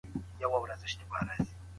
پروفيسر ليوس په توليد ټينګار کوي.